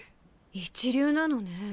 一流なのね。